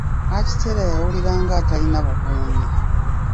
Akitela yawulira nga atalina bukuumi.